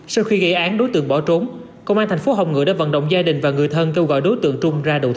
sau khi gây án đối tượng bỏ trốn công an thành phố hồng ngựa đã vận động gia đình và người thân kêu gọi đối tượng trung ra đầu thú